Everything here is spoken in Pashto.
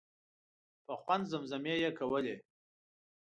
په خوند زمزمې یې کولې.